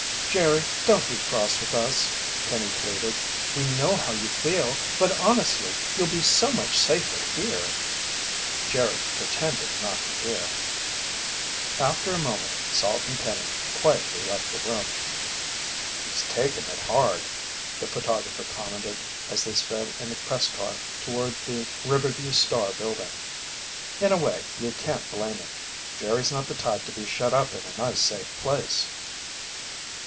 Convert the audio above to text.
"Jerry, don't be cross with us," Penny pleaded. "We know how you feel, but honestly, you'll be so much safer here." Jerry pretended not to hear. After a moment, Salt and Penny quietly left the room. "He's taking it hard," the photographer commented as they sped in the press car toward the Riverview Star building. "In a way, you can't blame him. Jerry's not the type to be shut up in a nice safe place."